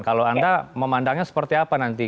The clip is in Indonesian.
kalau anda memandangnya seperti apa nanti